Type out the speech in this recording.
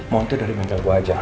montir dari mental gue aja